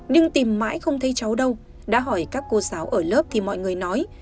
nhưng tìm mãi không thấy cháu đâu đã hỏi các cô giáo ở lớp thì mọi người nói